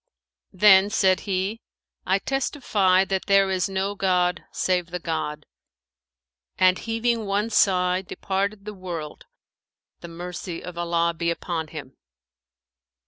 Then said he, 'I testify that there is no god save the God;' and, heaving one sigh, departed the world the mercy of Allah be upon him!